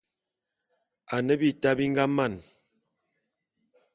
Ane bita bi nga man.